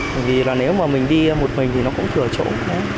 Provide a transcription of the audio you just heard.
bởi vì là nếu mà mình đi một mình thì nó cũng thừa chỗ